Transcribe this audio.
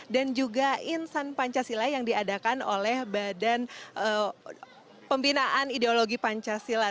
dan juga insan pancasila yang diadakan oleh badan pembinaan ideologi pancasila